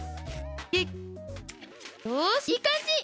よしいいかんじ！